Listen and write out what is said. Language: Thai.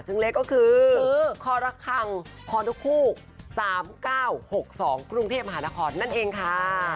ซึ่งเลขก็คือครค๓๙๖๒กรุงเทพฯมหานครนั่นเองค่ะ